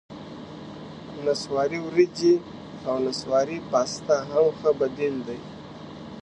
نسواري ورېجې او نسواري پاستا هم ښه بدیل دي.